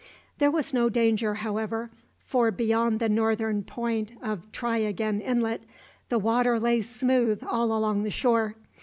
There was no danger, however, for beyond the northern point of Try again Inlet the water lay smooth all along the shore.